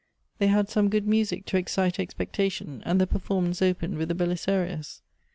They had some good music to excite expectation, and the performance opened with the Belisarius.